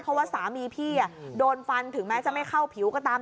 เพราะว่าสามีพี่โดนฟันถึงแม้จะไม่เข้าผิวก็ตาม